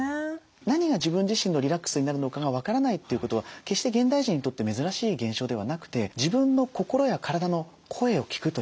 何が自分自身のリラックスになるのかが分からないということは決して現代人にとって珍しい現象ではなくて自分の心や体の声を聞くというんでしょうか。